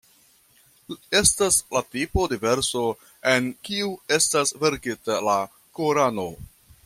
Estas la tipo de verso en kiu estas verkita la Korano.